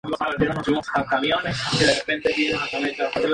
Por ejemplo, algunos solo proporcionan electricidad o una señal de reloj.